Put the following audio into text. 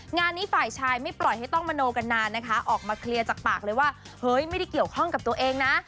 งานนี้ฝ่ายชายไม่ปล่อยให้ต้องมโนกันนานนะคะออกมาเคลียร์จากปากเลยว่าเฮ้ยไม่ได้เกี่ยวข้องกับตัวเองนะ